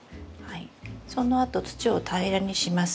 そのあと土を平らにします。